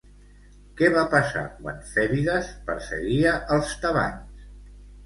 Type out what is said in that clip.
Què va passar quan Fèbides perseguia els tebans?